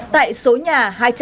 tại số nhà